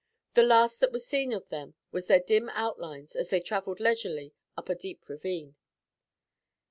The last that was seen of them was their dim outlines as they traveled leisurely up a deep ravine.